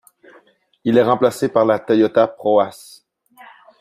Il est remplacé par la Toyota ProAce.